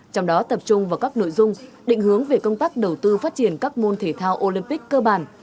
trong đó tập trung vào các nội dung định hướng về công tác đầu tư phát triển các môn thể thao olympic cơ bản